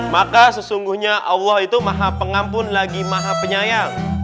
maka sesungguhnya allah itu maha pengampun lagi maha penyayang